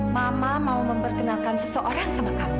mama mau memperkenalkan seseorang sama kamu